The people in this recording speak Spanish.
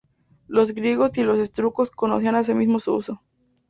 Los griegos y los etruscos conocían asimismo su uso.